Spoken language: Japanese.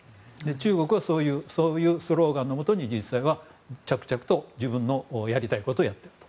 中国はそういうスローガンのもとに実際は着々と自分のやりたいことをやっていると。